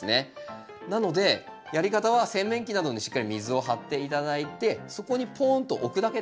なのでやり方は洗面器などにしっかり水を張って頂いてそこにポーンと置くだけです。